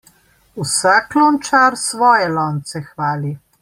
Vsak lončar svoje lonce hvali.